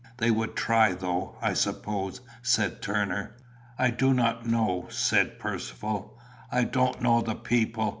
"They would try, though, I suppose," said Turner. "I do not know," said Percivale. "I don't know the people.